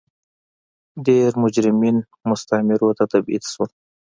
ډېری مجرمین مستعمرو ته تبعید شول.